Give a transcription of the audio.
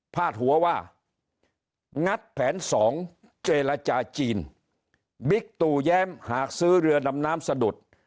พาดหัวว่างัดแผนสองเจรจาจีนบิ๊กตู่แย้มหากซื้อเรือดำน้ำสะดุด